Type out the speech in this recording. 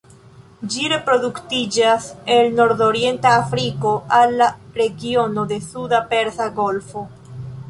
Ĝi reproduktiĝas el nordorienta Afriko al la regiono de suda Persa Golfo.